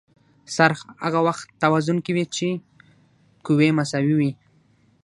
څرخ هغه وخت توازن کې وي چې قوې مساوي وي.